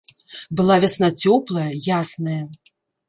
Была вясна цёплая, ясная.